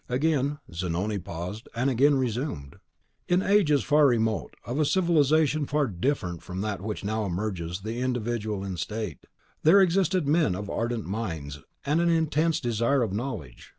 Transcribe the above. Again Zanoni paused, and again resumed: "In ages far remote, of a civilisation far different from that which now merges the individual in the state, there existed men of ardent minds, and an intense desire of knowledge.